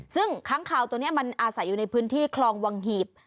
ซึ่งค้างคาวตัวนี้มันอาศัยอยู่ในพื้นที่คลองวังหีบ